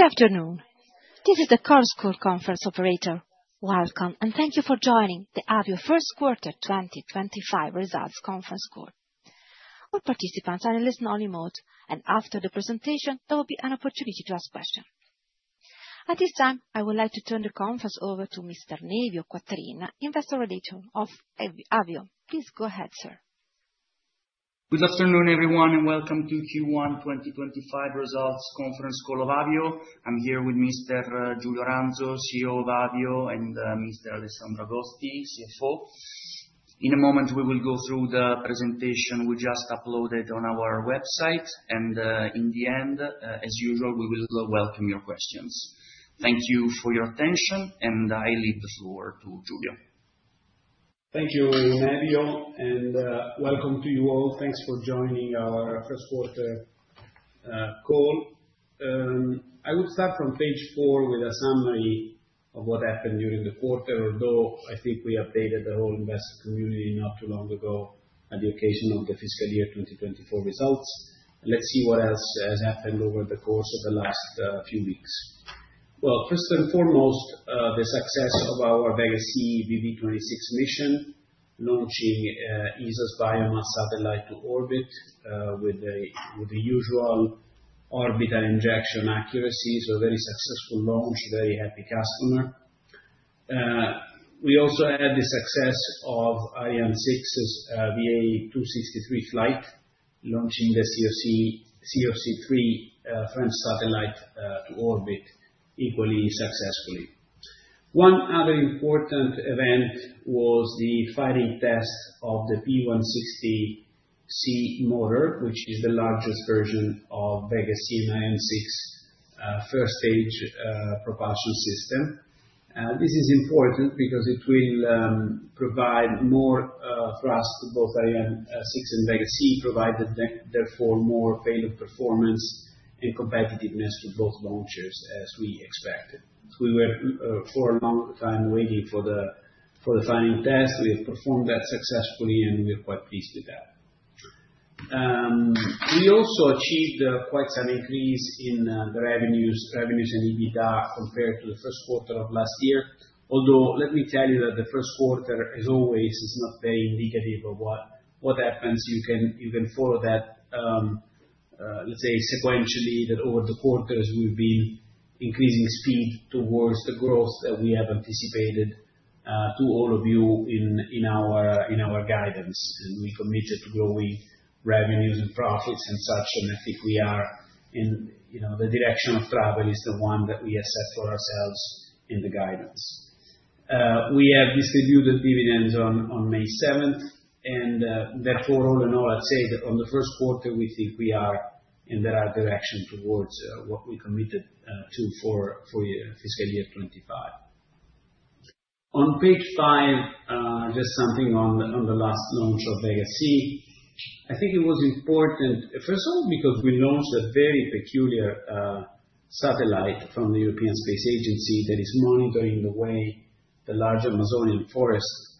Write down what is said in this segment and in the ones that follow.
Good afternoon. This is the Costco conference operator. Welcome, and thank you for joining the Avio First Quarter 2025 results conference call. All participants are in listen-only mode, and after the presentation, there will be an opportunity to ask questions. At this time, I would like to turn the conference over to Mr. Nevio Quattrin, Investor Relations Manager of Avio. Please go ahead, sir. Good afternoon, everyone, and welcome to Q1 2025 results conference call of Avio. I'm here with Mr. Giulio Ranzo, CEO of Avio, and Mr. Alessandro Agosti, CFO. In a moment, we will go through the presentation we jt uploaded on our website, and in the end, as usual, we will welcome your questions. Thank you for your attention, and I leave the floor to Giulio. Thank you, Nevio, and welcome to you all. Thanks for joining our first quarter call. I would start from page four with a summary of what happened during the quarter, although I think we updated the whole investor community not too long ago at the occasion of the fiscal year 2024 results. Let's see what else has happened over the course of the last few weeks. First and foremost, the success of our Vega C VV26 mission, launching ESA's Biomass Satellite to orbit with the usual orbital injection accuracy. A very successful launch, very happy customer. We also had the success of Ariane 6's VA263 flight, launching the COC3 French satellite to orbit equally successfully. One other important event was the firing test of the P160 motor, which is the largest version of Vega C and Ariane 6 first-stage propulsion system. This is important because it will provide more thrust to both Ariane 6 and Vega C, providing, therefore, more payload performance and competitiveness to both launchers, as we expected. We were, for a long time, waiting for the firing test. We have performed that successfully, and we are quite pleased with that. We also achieved quite some increase in the revenues and EBITDA compared to the first quarter of last year, although let me tell you that the first quarter, as always, is not very indicative of what happens. You can follow that, let's say, sequentially, that over the quarters, we've been increasing speed towards the growth that we have anticipated to all of you in our guidance, and we commit to growing revenues and profits and such. I think we are in the direction of travel is the one that we have set for ourselves in the guidance. We have distributed dividends on May 7th, and therefore, all in all, I'd say that on the first quarter, we think we are in the right direction towards what we committed to for fiscal year 2025. On page five, just something on the last launch of Vega C, I think it was important, first of all, because we launched a very peculiar satellite from the European Space Agency that is monitoring the way the large Amazonian forests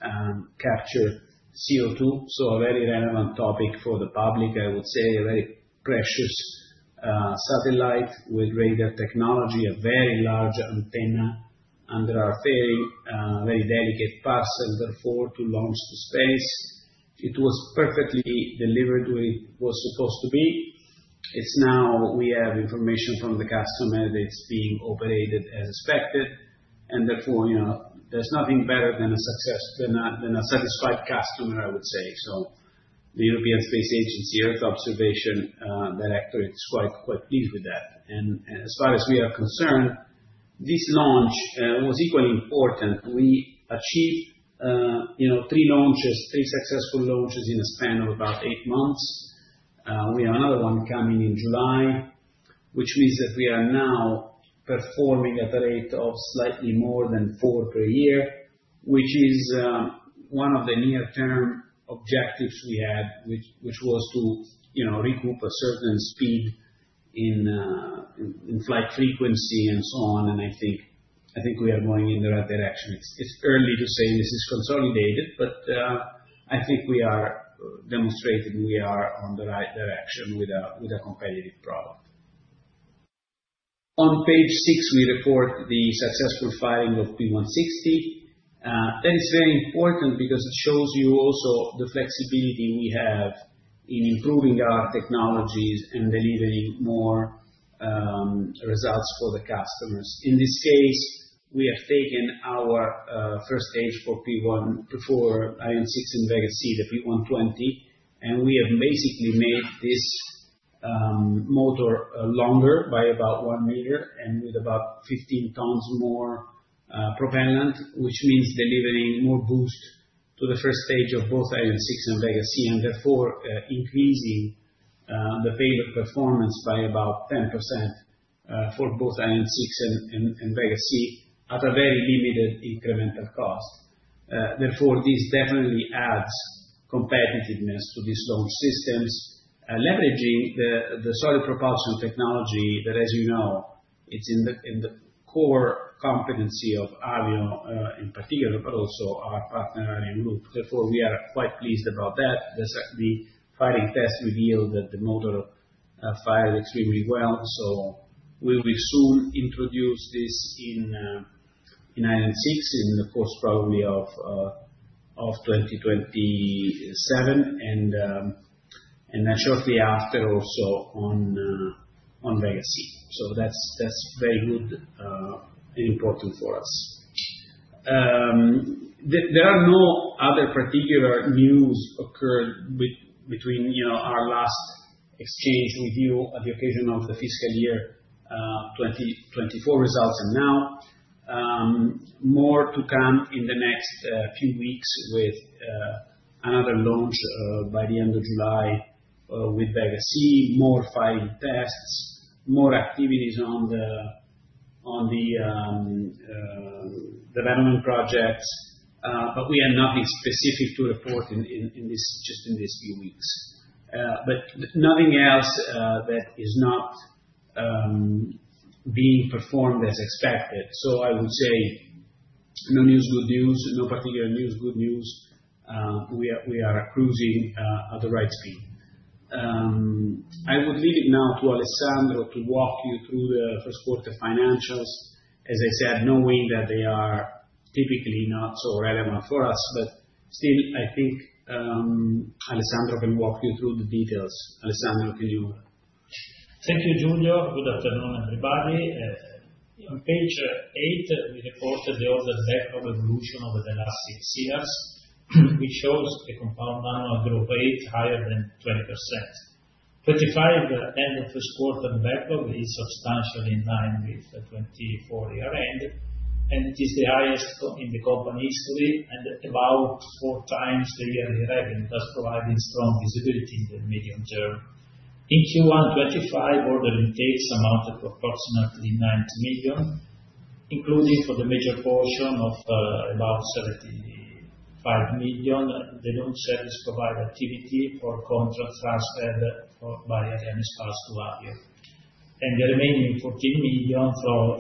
capture CO2. A very relevant topic for the public, I would say, a very precious satellite with radar technology, a very large antenna under our fairing, a very delicate parcel, therefore, to launch to space. It was perfectly delivered the way it was supposed to be. Now we have information from the customer that it's being operated as expected, and therefore, there's nothing better than a satisfied customer, I would say. The European Space Agency Earth Observation Directorate is quite pleased with that. As far as we are concerned, this launch was equally important. We achieved three launches, three successful launches in a span of about eight months. We have another one coming in July, which means that we are now performing at a rate of slightly more than four per year, which is one of the near-term objectives we had, which was to recoup a certain speed in flight frequency and so on. I think we are going in the right direction. It's early to say this is consolidated, but I think we are demonstrating we are on the right direction with a competitive product. On page six, we report the successful firing of P160. That is very important because it shows you also the flexibility we have in improving our technologies and delivering more results for the customers. In this case, we have taken our first stage for P1, for Ariane 6 and Vega C, the P120, and we have basically made this motor longer by about 1 meter and with about 15 tons more propellant, which means delivering more boost to the first stage of both Ariane 6 and Vega C, and therefore increasing the payload performance by about 10% for both Ariane 6 and Vega C at a very limited incremental cost. Therefore, this definitely adds competitiveness to these launch systems, leveraging the solid propulsion technology that, as you know, it's in the core competency of Avio in particular, but also our partner ArianeGroup. Therefore, we are quite pleased about that. The firing test revealed that the motor fired extremely well. We will soon introduce this in Ariane 6 in the course probably of 2027, and shortly after also on Vega C. That is very good and important for us. There are no other particular news occurred between our last exchange with you at the occasion of the fiscal year 2024 results and now. More to come in the next few weeks with another launch by the end of July with Vega C, more firing tests, more activities on the development projects, but we have nothing specific to report just in these few weeks. Nothing else that is not being performed as expected. I would say no news, good news, no particular news, good news. We are cruising at the right speed. I would leave it now to Alessandro to walk you through the first quarter financials, as I said, knowing that they are typically not so relevant for us, but still, I think Alessandro can walk you through the details. Alessandro, can you? Thank you, Giulio. Good afternoon, everybody. On page eight, we reported the overall backlog evolution over the last six years, which shows a compound annual growth rate higher than 20%. 2025 end of first quarter backlog is substantially in line with the 2024 year end, and it is the highest in the company's history and about four times the yearly revenue, thus providing strong visibility in the medium term. In Q1 2025, order intakes amounted to approximately EUR 9 million, including for the major portion of about 75 million delivered service provider activity for contract transferred by Arianespace to Avio, and the remaining EUR 14 million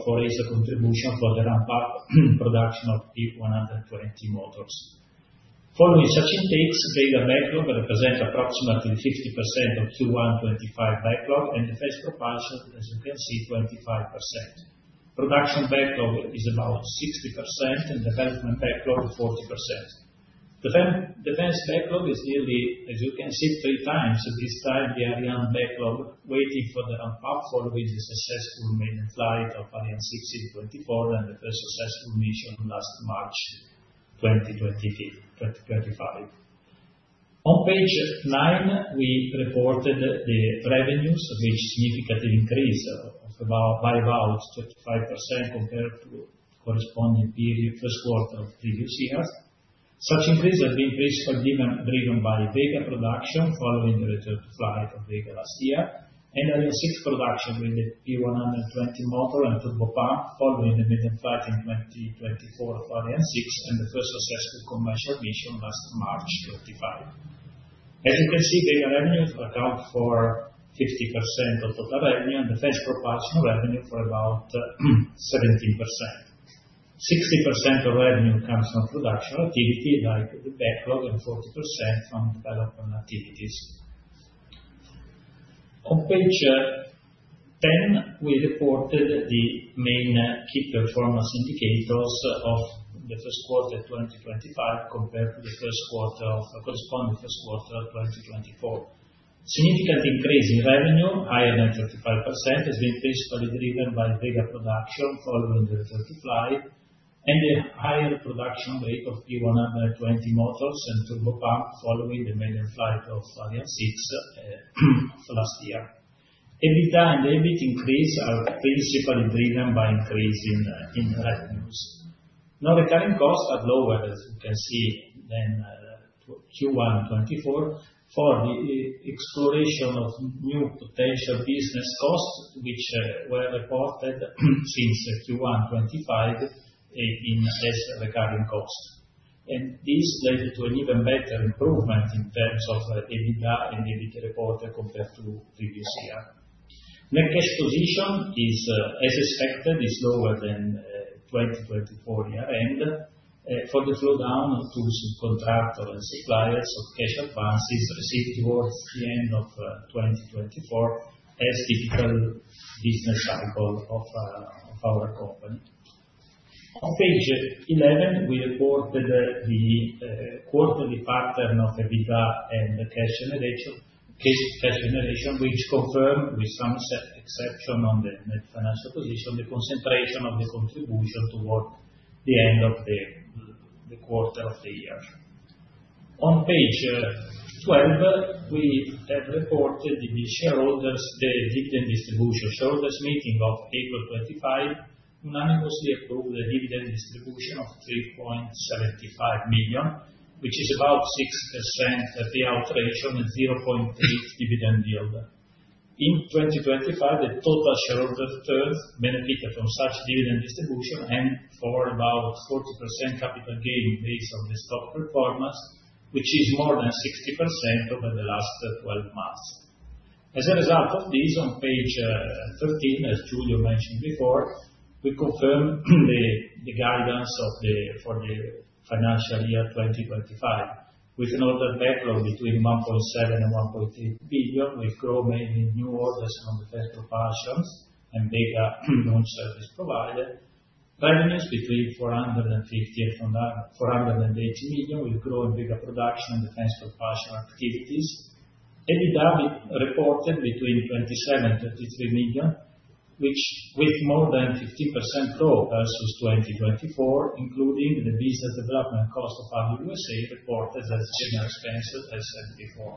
for ESA contribution for the ramp-up production of P120 motors. Following such intakes, payback backlog represents approximately 50% of Q1 2025 backlog, and the phased propulsion, as you can see, 25%. Production backlog is about 60%, and development backlog 40%. The phased backlog is nearly, as you can see, three times this time, the Arianespace backlog waiting for the ramp-up, following the successful maiden flight of Ariane 6 in 2024 and the first successful mission last March 2025. On page nine, we reported the revenues, which significantly increased by about 35% compared to the corresponding period, first quarter of previous years. Such increase has been principally driven by Vega production following the return to flight of Vega last year and Ariane 6 production with the P120 motor and turbopump, following the maiden flight in 2024 for Ariane 6 and the first successful commercial mission last March 25. As you can see, Vega revenues account for 50% of total revenue, and the phased propulsion revenue for about 17%. 60% of revenue comes from production activity like the backlog, and 40% from development activities. On page 10, we reported the main key performance indicators of the first quarter 2025 compared to the corresponding first quarter of 2024. Significant increase in revenue, higher than 35%, has been principally driven by Vega production following the return to flight and the higher production rate of P120 motors and turbopump following the maiden flight of Ariane 6 last year. EBITDA and EBIT increase are principally driven by increase in revenues. Non-recurring costs are lower, as you can see, than Q1 2024 for the exploration of new potential business costs, which were reported since Q1 2025 in less recurring costs. This led to an even better improvement in terms of EBITDA and EBIT reported compared to previous year. Net cash position is, as expected, lower than 2024 year-end. For the flow down to contractors and suppliers of cash advances received towards the end of 2024, as typical business cycle of our company. On page 11, we reported the quarterly pattern of EBITDA and cash generation, which confirmed, with some exception on the net financial position, the concentration of the contribution toward the end of the quarter of the year. On page 12, we have reported the shareholders' dividend distribution. Shareholders' meeting of April 25 unanimously approved the dividend distribution of 3.75 million, which is about 6% payout ratio and 0.8% dividend yield. In 2025, the total shareholders' turns benefited from such dividend distribution and for about 40% capital gain based on the stock performance, which is more than 60% over the last 12 months. As a result of this, on page 13, as Giulio mentioned before, we confirmed the guidance for the financial year 2025 with an order backlog between 1.7 billion and 1.8 billion, with growth mainly in new orders from the phased propulsions and Vega launch service provider. Revenues between 450 million and 480 million with growth in Vega production and the phased propulsion activities. EBITDA reported between 27 million and 23 million, which with more than 15% growth versus 2024, including the business development cost of Avio U.S.A. reported as general expenses as before.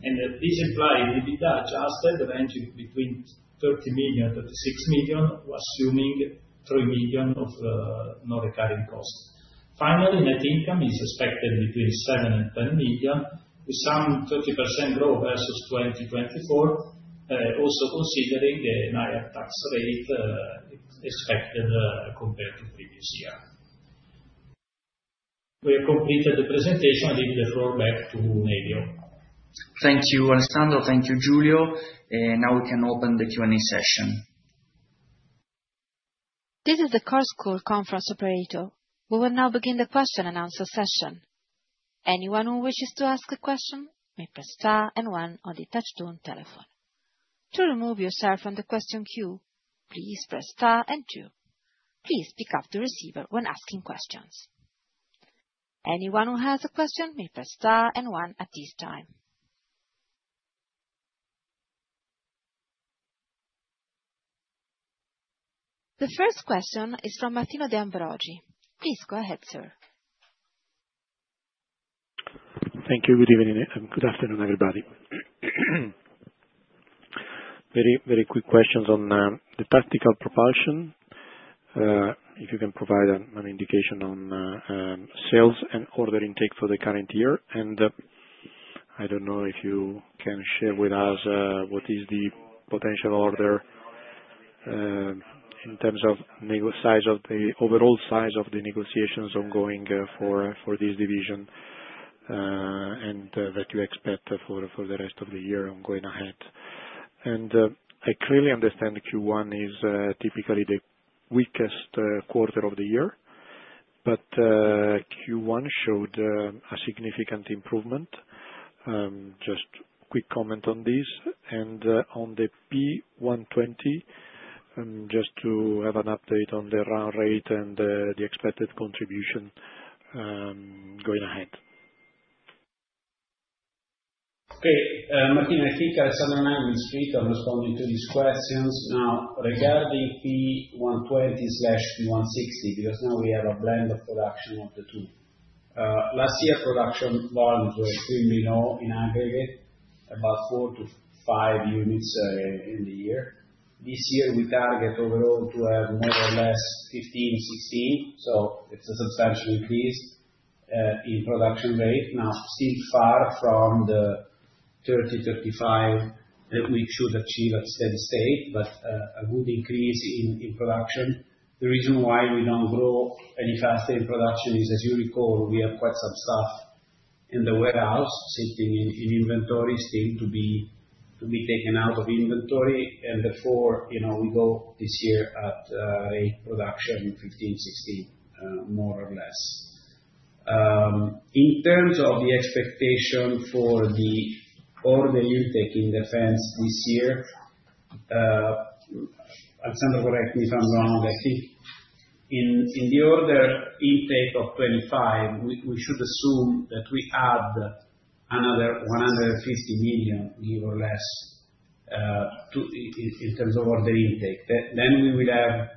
This implied EBITDA adjusted, ranging between 30 million and 36 million, assuming 3 million of no recurring costs. Finally, net income is expected between 7 million and 10 million, with some 30% growth versus 2024, also considering a higher tax rate expected compared to previous year. We have completed the presentation. I leave the floor back to Nevio. Thank you, Alessandro. Thank you, Giulio. Now we can open the Q&A session. This is the Costco conference operator. We will now begin the question and answer session. Anyone who wishes to ask a question may press star and one on the touch-tone telephone. To remove yourself from the question queue, please press star and two. Please pick up the receiver when asking questions. Anyone who has a question may press star and one at this time. The first question is from Martino D'Ambrogi. Please go ahead, sir. Thank you. Good evening and good afternoon, everybody. Very, very quick questions on the tactical propulsion. If you can provide an indication on sales and order intake for the current year. I don't know if you can share with us what is the potential order in terms of the overall size of the negotiations ongoing for this division and that you expect for the rest of the year going ahead. I clearly understand Q1 is typically the weakest quarter of the year, but Q1 showed a significant improvement. Just a quick comment on this. On the P120, just to have an update on the round rate and the expected contribution going ahead? Okay. Martino, I think Alessandro and I will be straight on responding to these questions now regarding P120/P160 because now we have a blend of production of the two. Last year, production volumes were extremely low in aggregate, about four to five units in the year. This year, we target overall to have more or less 15-16. It is a substantial increase in production rate. Still far from the 30-35 that we should achieve at steady state, but a good increase in production. The reason why we do not grow any faster in production is, as you recall, we have quite some stuff in the warehouse sitting in inventory, still to be taken out of inventory. Therefore, we go this year at rate production 15-16, more or less. In terms of the expectation for the order intake in defense this year, Alessandro, correct me if I'm wrong. I think in the order intake of 2025, we should assume that we add another 150 million, give or less, in terms of order intake. Then we will have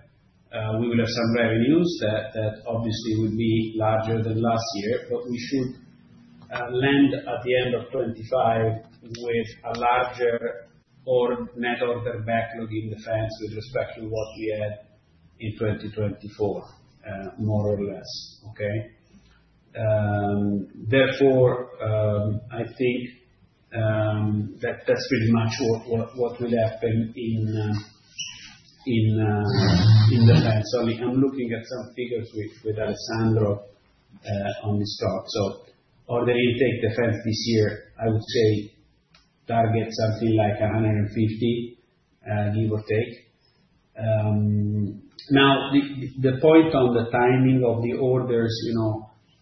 some revenues that obviously will be larger than last year, but we should land at the end of 2025 with a larger net order backlog in defense with respect to what we had in 2024, more or less. Okay? Therefore, I think that's pretty much what will happen in defense. I'm looking at some figures with Alessandro on this talk. So order intake defense this year, I would say target something like 150 million, give or take. Now, the point on the timing of the orders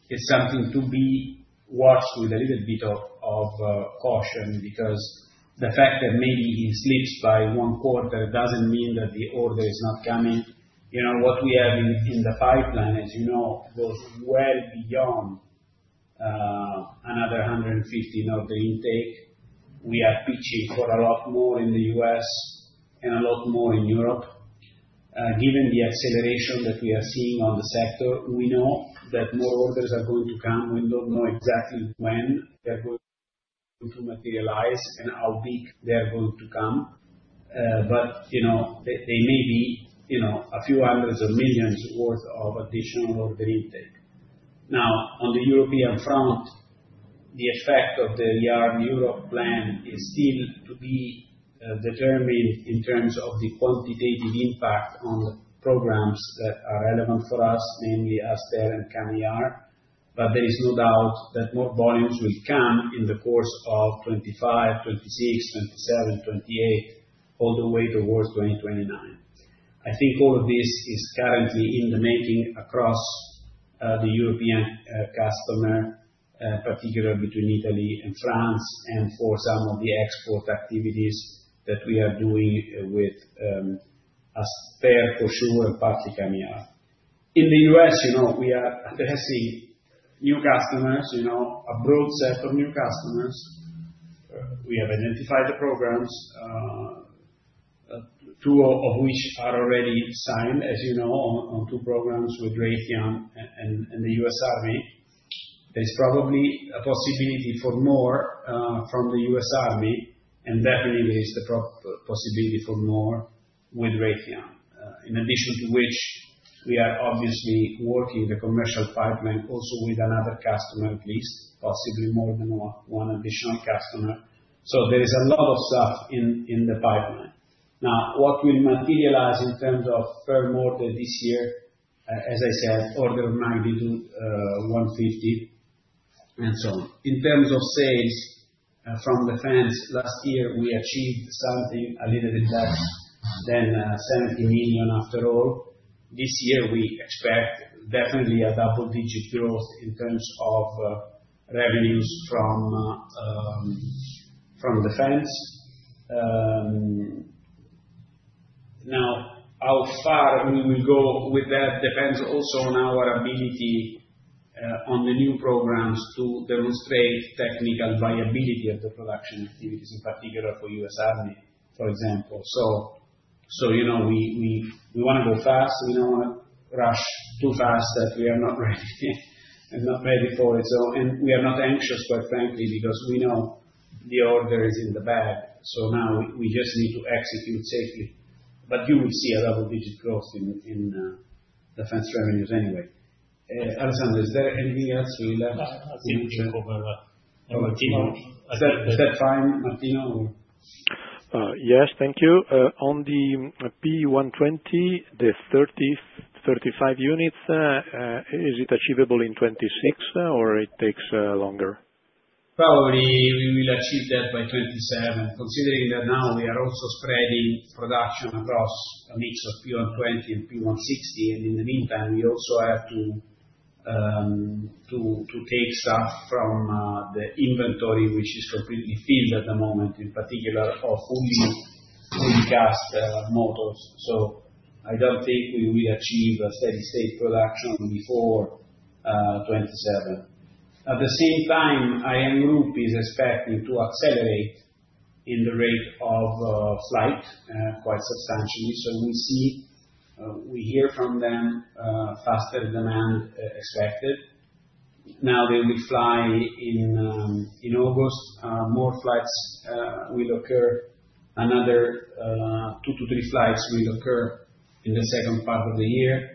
is something to be watched with a little bit of caution because the fact that maybe it slips by one quarter does not mean that the order is not coming. What we have in the pipeline, as you know, goes well beyond another 150 million in order intake. We are pitching for a lot more in the U.S. and a lot more in Europe. Given the acceleration that we are seeing on the sector, we know that more orders are going to come. We do not know exactly when they are going to materialize and how big they are going to come, but they may be a few hundreds of millions worth of additional order intake. Now, on the European front, the effect of the Europe plan is still to be determined in terms of the quantitative impact on the programs that are relevant for us, namely Aster and CAMEAR. There is no doubt that more volumes will come in the course of 2025, 2026, 2027, 2028, all the way towards 2029. I think all of this is currently in the making across the European customer, particularly between Italy and France, and for some of the export activities that we are doing with Aster for sure and partly CAMEAR. In the U.S., we are addressing new customers, a broad set of new customers. We have identified the programs, two of which are already signed, as you know, on two programs with Raytheon and the US Army. There is probably a possibility for more from the US Army, and definitely there is the possibility for more with Raytheon. In addition to which, we are obviously working the commercial pipeline also with another customer, at least possibly more than one additional customer. There is a lot of stuff in the pipeline. Now, what will materialize in terms of further order this year, as I said, order magnitude 150 million and so on. In terms of sales from defense, last year, we achieved something a little bit less than 70 million after all. This year, we expect definitely a double-digit growth in terms of revenues from defense. Now, how far we will go with that depends also on our ability on the new programs to demonstrate technical viability of the production activities, in particular for US Army, for example. We want to go fast. We do not want to rush too fast that we are not ready and not ready for it. We are not anxious, quite frankly, because we know the order is in the bag. Now we just need to execute safely. You will see a double-digit growth in defense revenues anyway. Alessandro, is there anything else we left? I think we're over. Martino? Is that fine, Martino? Yes, thank you. On the P120, the 30-35 units, is it achievable in 2026, or it takes longer? Probably we will achieve that by 2027, considering that now we are also spreading production across a mix of P120 and P160. In the meantime, we also have to take stuff from the inventory, which is completely filled at the moment, in particular of fully cast motors. I do not think we will achieve a steady-state production before 2027. At the same time, ArianeGroup is expecting to accelerate in the rate of flight quite substantially. We hear from them faster demand expected. Now they will fly in August. More flights will occur. Another two to three flights will occur in the second part of the year.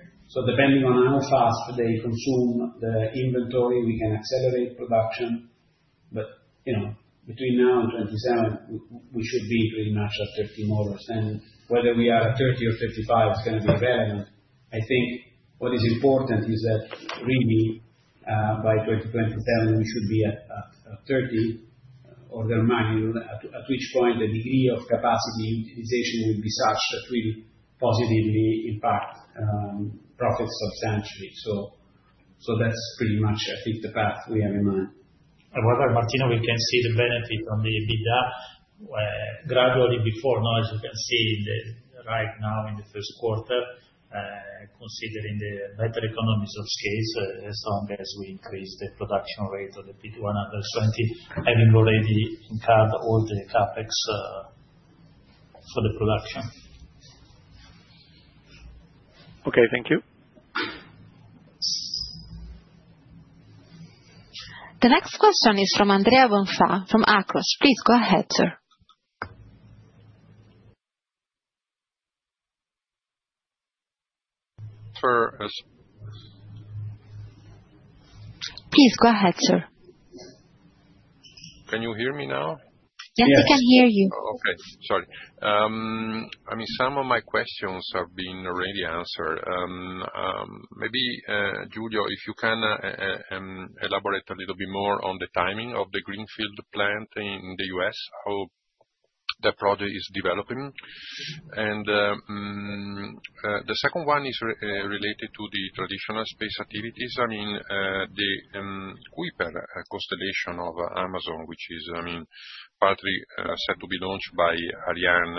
Depending on how fast they consume the inventory, we can accelerate production. Between now and 2027, we should be pretty much at 30 motors. Whether we are at 30 or 35 is going to be irrelevant. I think what is important is that really by 2027, we should be at 30 order magnitude, at which point the degree of capacity utilization will be such that will positively impact profits substantially. That's pretty much, I think, the path we have in mind. However, Martino, we can see the benefit on the EBITDA gradually before now, as you can see right now in the first quarter, considering the better economies of scale as long as we increase the production rate of the P120, having already incurred all the CapEx for the production. Okay, thank you. The next question is from Andrea Bonfá from Akros. Please go ahead, sir. Please go ahead, sir. Can you hear me now? Yes, we can hear you. Okay. Sorry. I mean, some of my questions have been already answered. Maybe Giulio, if you can elaborate a little bit more on the timing of the Greenfield plant in the U.S., how that project is developing. The second one is related to the traditional space activities. I mean, the Kuiper constellation of Amazon, which is partly set to be launched by Ariane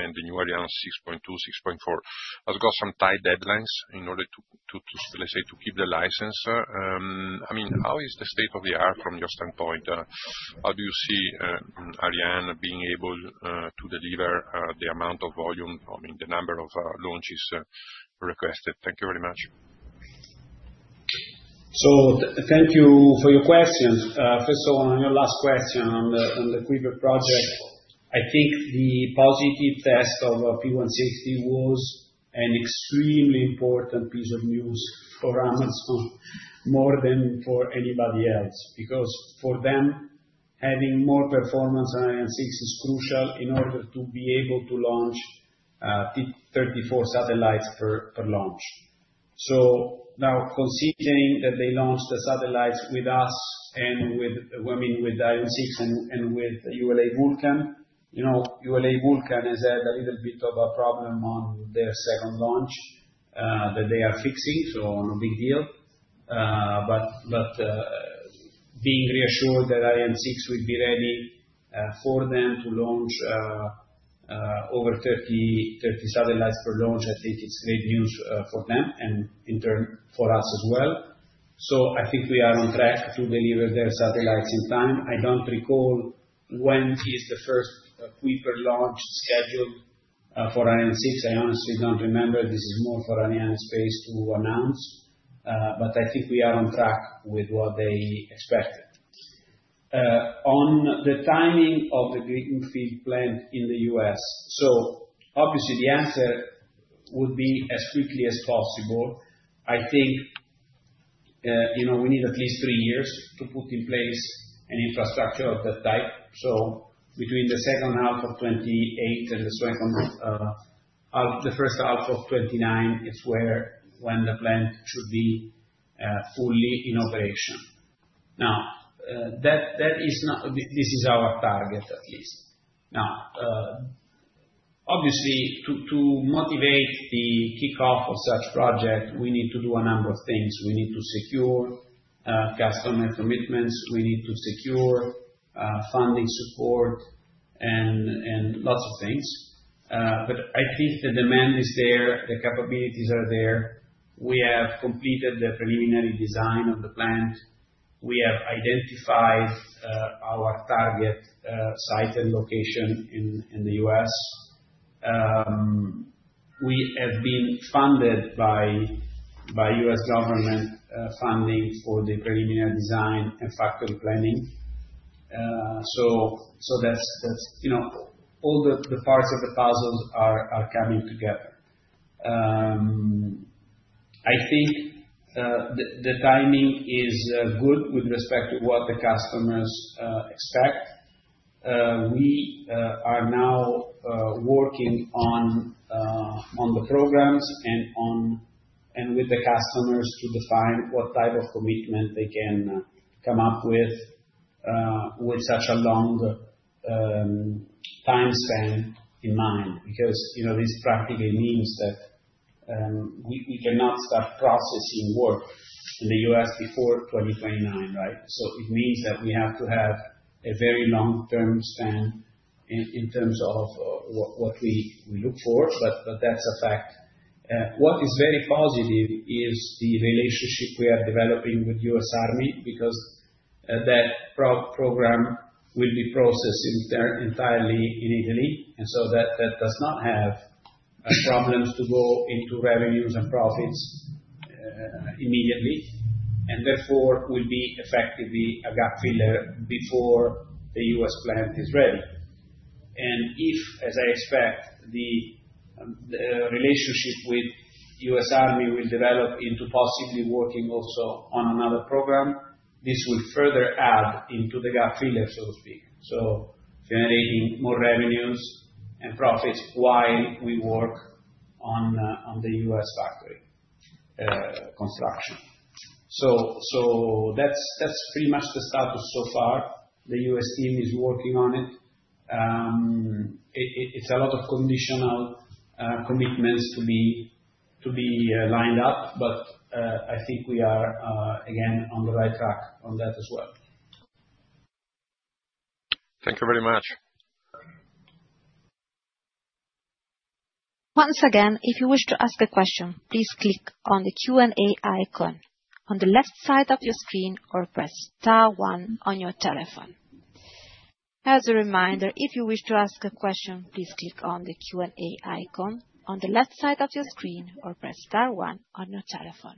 and the new Ariane 6.2, 6.4, has got some tight deadlines in order to, let's say, keep the license. I mean, how is the state of the art from your standpoint? How do you see Ariane being able to deliver the amount of volume, I mean, the number of launches requested? Thank you very much. Thank you for your questions. First of all, on your last question on the Kuiper project, I think the positive test of P160 was an extremely important piece of news for Amazon, more than for anybody else, because for them, having more performance on Ariane 6 is crucial in order to be able to launch 34 satellites per launch. Now, considering that they launched the satellites with us and with Ariane 6 and with ULA Vulcan, ULA Vulcan has had a little bit of a problem on their second launch that they are fixing, so no big deal. Being reassured that Ariane 6 will be ready for them to launch over 30 satellites per launch, I think it's great news for them and in turn for us as well. I think we are on track to deliver their satellites in time. I don't recall when the first Kuiper launch is scheduled for Ariane 6. I honestly don't remember. This is more for Arianespace to announce. I think we are on track with what they expected. On the timing of the Greenfield plant in the U.S., obviously the answer would be as quickly as possible. I think we need at least three years to put in place an infrastructure of that type. Between the second half of 2028 and the first half of 2029, it's when the plant should be fully in operation. This is our target, at least. Obviously, to motivate the kickoff of such projects, we need to do a number of things. We need to secure customer commitments. We need to secure funding support and lots of things. I think the demand is there. The capabilities are there. We have completed the preliminary design of the plant. We have identified our target site and location in the U.S.. We have been funded by U.S. government funding for the preliminary design and factory planning. All the parts of the puzzle are coming together. I think the timing is good with respect to what the customers expect. We are now working on the programs and with the customers to define what type of commitment they can come up with with such a long time span in mind, because this practically means that we cannot start processing work in the U.S. before 2029, right? It means that we have to have a very long-term span in terms of what we look for, but that's a fact. What is very positive is the relationship we are developing with US Army because that program will be processed entirely in Italy. That does not have problems to go into revenues and profits immediately. Therefore, will be effectively a gap filler before the U.S. plant is ready. If, as I expect, the relationship with US Army will develop into possibly working also on another program, this will further add into the gap filler, so to speak, generating more revenues and profits while we work on the U.S. factory construction. That is pretty much the status so far. The U.S. team is working on it. It is a lot of conditional commitments to be lined up, but I think we are, again, on the right track on that as well. Thank you very much. Once again, if you wish to ask a question, please click on the Q&A icon on the left side of your screen or press star 1 on your telephone. As a reminder, if you wish to ask a question, please click on the Q&A icon on the left side of your screen or press star 1 on your telephone.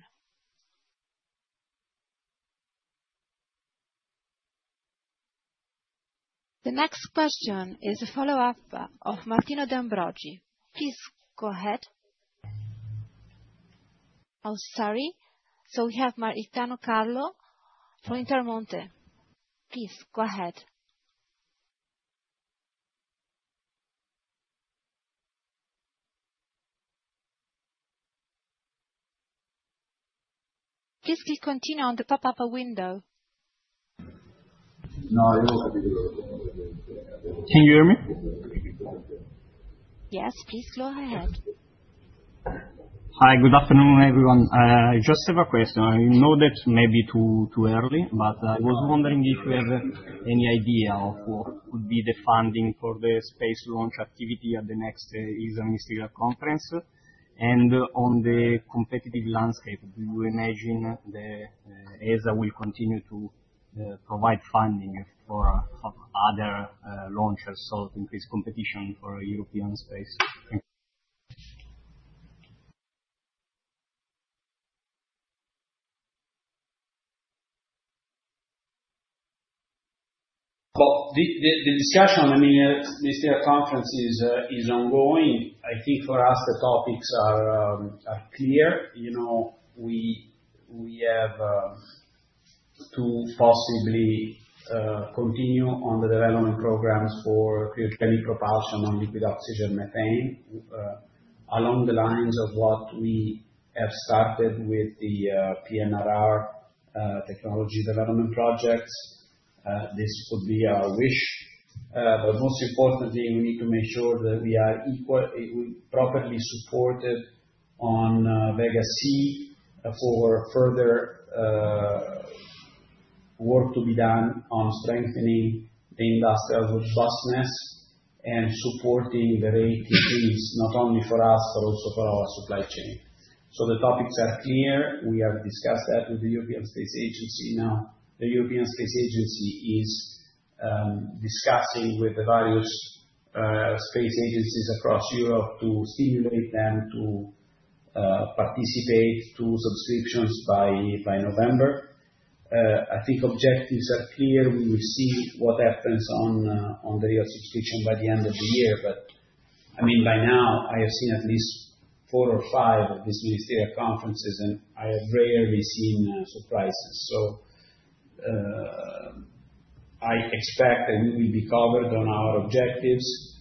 The next question is a follow-up of Martino D'Ambrogi. Please go ahead. Oh, sorry. So we have Maritano Carlo from Intermonte. Please go ahead. Please click continue on the pop-up window. Can you hear me? Yes, please go ahead. Hi, good afternoon, everyone. Just have a question. I know that maybe too early, but I was wondering if you have any idea of what would be the funding for the space launch activity at the next ESA Ministerial Conference. On the competitive landscape, do you imagine the ESA will continue to provide funding for other launchers to increase competition for European space? Thank you. The discussion on the Ministerial Conference is ongoing. I think for us, the topics are clear. We have to possibly continue on the development programs for cryogenic propulsion on liquid oxygen methane along the lines of what we have started with the PNRR technology development projects. This would be our wish. Most importantly, we need to make sure that we are properly supported on Vega C for further work to be done on strengthening the industrial robustness and supporting the rate increase not only for us, but also for our supply chain. The topics are clear. We have discussed that with the European Space Agency. Now, the European Space Agency is discussing with the various space agencies across Europe to stimulate them to participate in subscriptions by November. I think objectives are clear. We will see what happens on the real subscription by the end of the year. I mean, by now, I have seen at least four or five of these Ministerial Conferences, and I have rarely seen surprises. I expect that we will be covered on our objectives.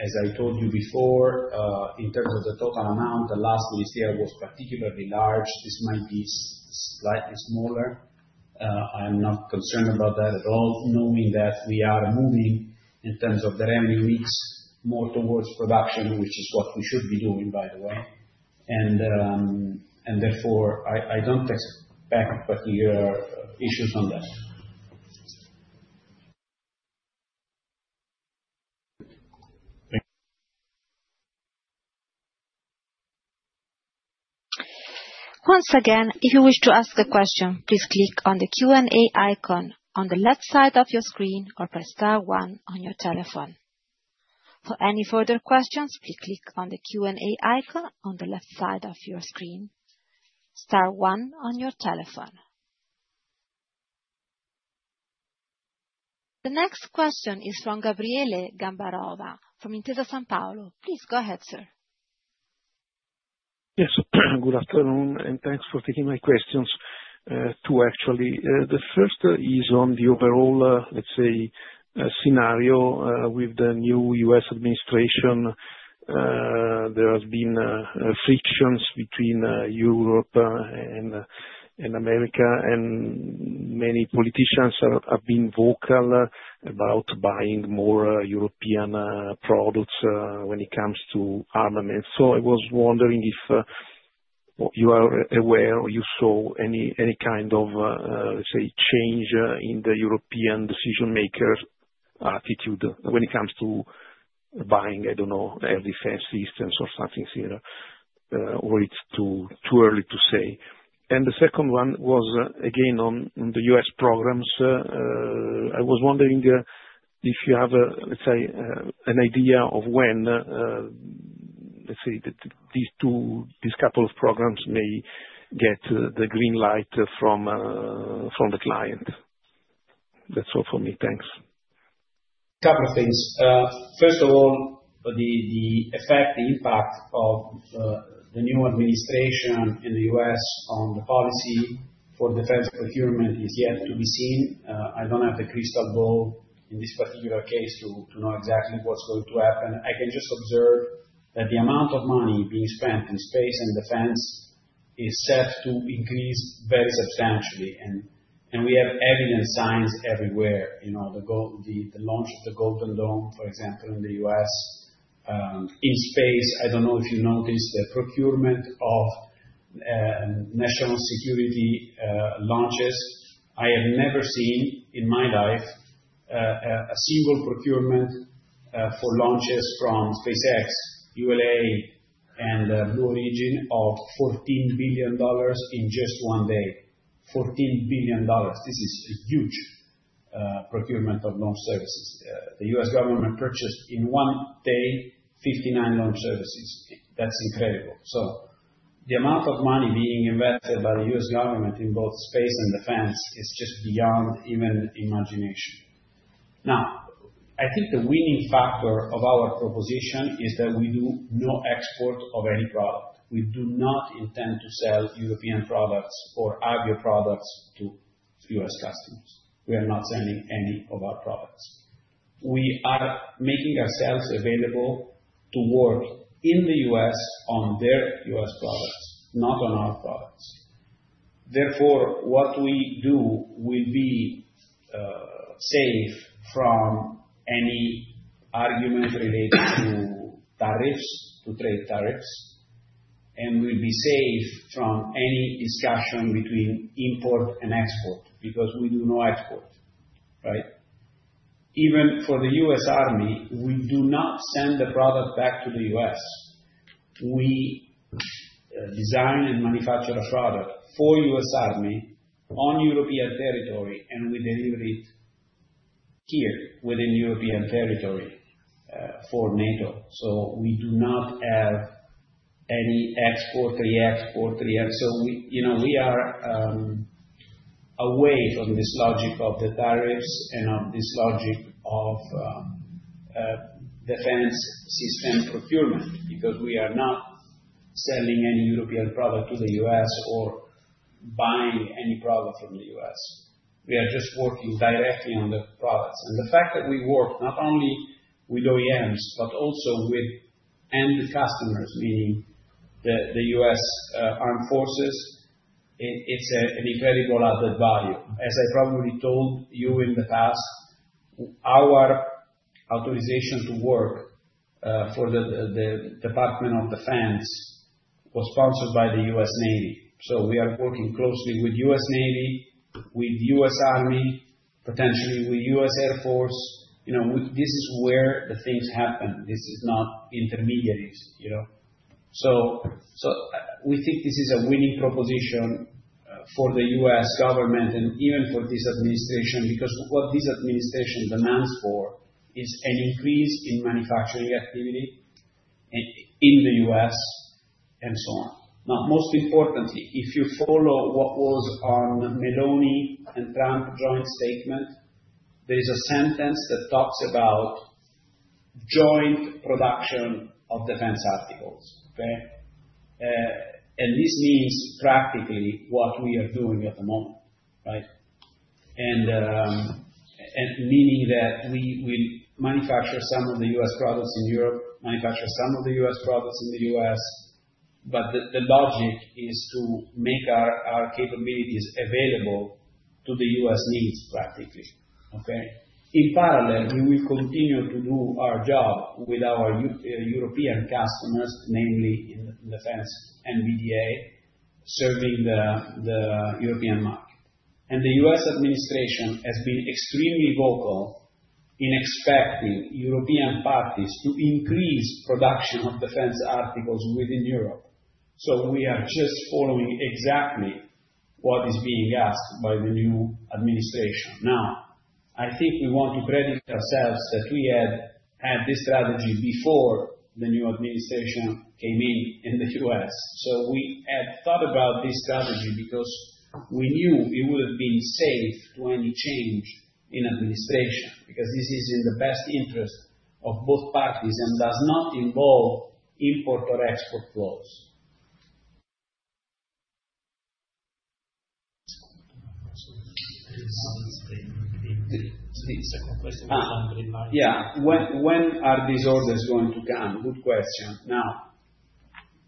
As I told you before, in terms of the total amount, the last Ministerial was particularly large. This might be slightly smaller. I am not concerned about that at all, knowing that we are moving in terms of the revenue mix more towards production, which is what we should be doing, by the way. Therefore, I do not expect particular issues on that. Once again, if you wish to ask a question, please click on the Q&A icon on the left side of your screen or press star one on your telephone. For any further questions, please click on the Q&A icon on the left side of your screen, star one on your telephone. The next question is from Gabriele Gambarova from Intesa Sanpaolo. Please go ahead, sir. Yes, good afternoon, and thanks for taking my questions, two, actually. The first is on the overall, let's say, scenario with the new U.S. administration. There have been frictions between Europe and America, and many politicians have been vocal about buying more European products when it comes to armaments. I was wondering if you are aware or you saw any kind of, let's say, change in the European decision-maker's attitude when it comes to buying, I don't know, air defense systems or something similar, or it's too early to say. The second one was, again, on the U.S. programs. I was wondering if you have, let's say, an idea of when, let's say, these couple of programs may get the green light from the client. That's all for me. Thanks. A couple of things. First of all, the effect, the impact of the new administration in the U.S. on the policy for defense procurement is yet to be seen. I don't have the crystal ball in this particular case to know exactly what's going to happen. I can just observe that the amount of money being spent in space and defense is set to increase very substantially. We have evident signs everywhere. The launch of the Golden Dome, for example, in the U.S. in space, I don't know if you noticed the procurement of national security launches. I have never seen in my life a single procurement for launches from SpaceX, ULA, and Blue Origin of $14 billion in just one day. $14 billion. This is a huge procurement of launch services. The U.S. government purchased in one day 59 launch services. That's incredible. The amount of money being invested by the U.S. government in both space and defense is just beyond even imagination. I think the winning factor of our proposition is that we do no export of any product. We do not intend to sell European products or Avio products to U.S. customers. We are not selling any of our products. We are making ourselves available to work in the U.S. on their U.S. products, not on our products. Therefore, what we do will be safe from any argument related to tariffs, to trade tariffs, and will be safe from any discussion between import and export because we do no export, right? Even for the US Army, we do not send the product back to the U.S.. We design and manufacture a product for US Army on European territory, and we deliver it here within European territory for NATO. We do not have any export, re-export. We are away from this logic of the tariffs and of this logic of defense system procurement because we are not selling any European product to the U.S. or buying any product from the U.S. We are just working directly on the products. The fact that we work not only with OEMs, but also with end customers, meaning the U.S. Armed Forces, is an incredible added value. As I probably told you in the past, our authorization to work for the Department of Defense was sponsored by the U.S. Navy. We are working closely with the U.S. Navy, with the US Army, potentially with the U.S. Air Force. This is where the things happen. This is not intermediaries. We think this is a winning proposition for the U.S. government and even for this administration because what this administration demands for is an increase in manufacturing activity in the U.S. and so on. Most importantly, if you follow what was on Meloni and Trump joint statement, there is a sentence that talks about joint production of defense articles, okay? This means practically what we are doing at the moment, right? Meaning that we will manufacture some of the U.S. products in Europe, manufacture some of the U.S. products in the U.S., but the logic is to make our capabilities available to the US needs practically, okay? In parallel, we will continue to do our job with our European customers, namely in defense and BDA, serving the European market. The U.S. administration has been extremely vocal in expecting European parties to increase production of defense articles within Europe. We are just following exactly what is being asked by the new administration. I think we want to credit ourselves that we had this strategy before the new administration came in in the U.S. We had thought about this strategy because we knew it would have been safe to any change in administration because this is in the best interest of both parties and does not involve import or export flows. Yeah. When are these orders going to come? Good question. Now,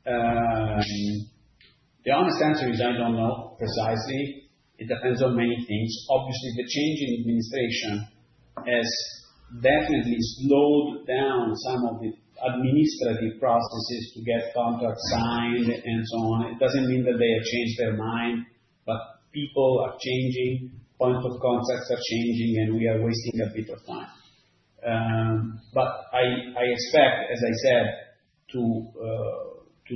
the honest answer is I don't know precisely. It depends on many things. Obviously, the change in administration has definitely slowed down some of the administrative processes to get contracts signed and so on. It doesn't mean that they have changed their mind, but people are changing, points of contact are changing, and we are wasting a bit of time. I expect, as I said, to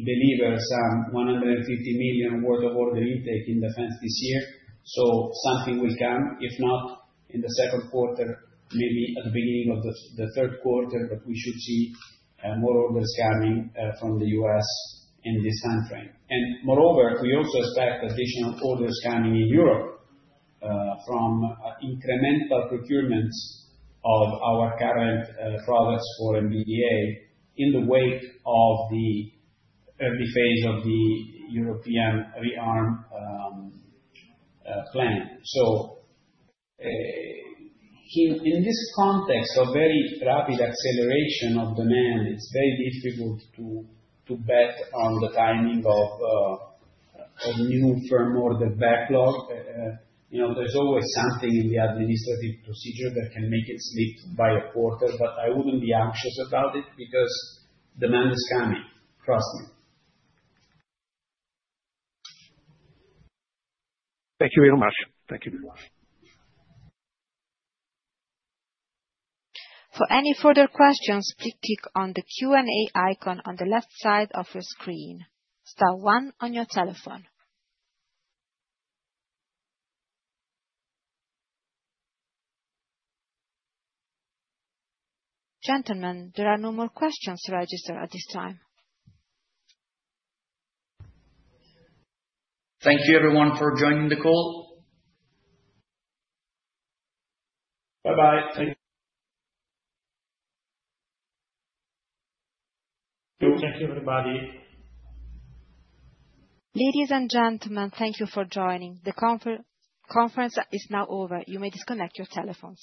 deliver some 150 million worth of order intake in defense this year. Something will come. If not in the second quarter, maybe at the beginning of the third quarter, but we should see more orders coming from the U.S. in this time frame. Moreover, we also expect additional orders coming in Europe from incremental procurements of our current products for NBDA in the wake of the early phase of the European rearm plan. In this context of very rapid acceleration of demand, it's very difficult to bet on the timing of new firm order backlog. There's always something in the administrative procedure that can make it slip by a quarter, but I wouldn't be anxious about it because demand is coming. Trust me. Thank you very much. For any further questions, please click on the Q&A icon on the left side of your screen, star one on your telephone. Gentlemen, there are no more questions registered at this time. Thank you, everyone, for joining the call. Bye-bye. Thank you, everybody. Ladies and gentlemen, thank you for joining. The conference is now over. You may disconnect your telephones.